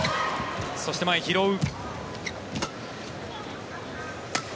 そして、前拾う。